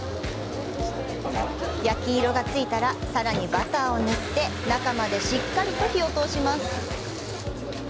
焼き色がついたらさらにバターを塗って中までしっかりと火を通します。